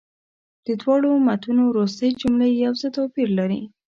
د دواړو متونو وروستۍ جملې یو څه توپیر لري.